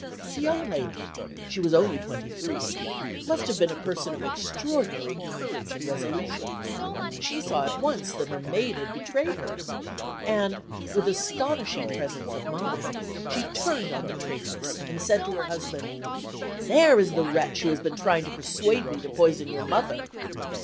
The young lady (she was only twenty three) must have been a person of extraordinary courage and resolution. She saw at once that her maid had betrayed her, and, with astonishing presence of mind, she turned on the traitress, and said to her husband: "There is the wretch who has been trying to persuade me to poison your mother!"